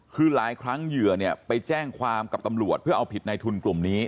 คือหลายครั้งเหยื่อเนี่ยไปแจ้งความกับตำรวจเพื่อเอาผิดในทุนกลุ่มนี้